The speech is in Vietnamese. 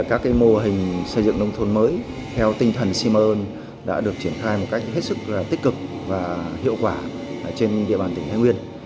các mô hình xây dựng nông thôn mới theo tinh thần si ma ơn đã được triển khai một cách hết sức tích cực và hiệu quả trên địa bàn tỉnh thái nguyên